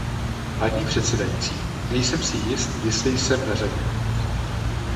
Paní předsedající, nejsem si jist, jestli jsem nařadě.